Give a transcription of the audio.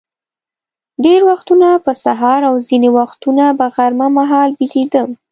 ډېر وختونه به سهار او ځینې وختونه به غرمه مهال بېدېدم.